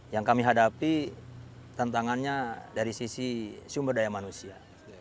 yang kami hadapi tantangannya dari sisi sumber daya manusia